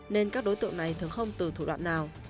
nên các đối tượng này thường không từ thủ đoạn nào